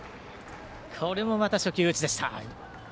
これもまた初球打ちでした。